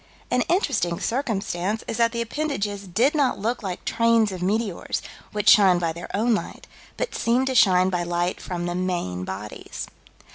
An interesting circumstance is that the appendages did not look like trains of meteors, which shine by their own light, but "seemed to shine by light from the main bodies."